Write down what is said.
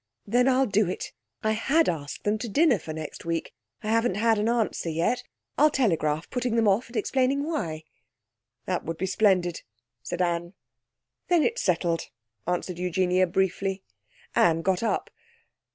'Then I'll do it. I had asked them to dinner for next week. I haven't had an answer yet. I'll telegraph, putting them off, and explaining why.' 'That would be splendid,' said Anne. 'Then it's settled,' answered Eugenia briefly. Anne got up.